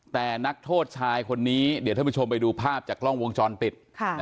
แต่นักโทษชายคนนี้เดี๋ยวท่านผู้ชมไปดูภาพจากกล้องวงจรปิด